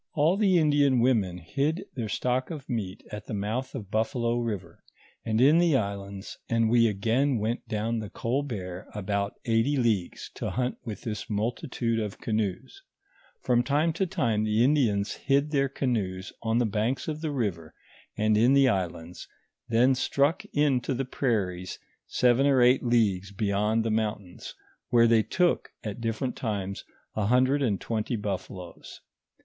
. v ,■^: All the ^ndian women hid their stock of meat at the mouth of Buffalo river, and in the islands, and we again went down the Colbert abouf eighty leagues to hunt with this multitude of canoes ; from time to time the Indians hid their canoes on the banks of the river and in the islands; then struck in to the prairies seven or eight leagues beyond the mountains, where they took, at different times, a hundred and twenty buffaloes.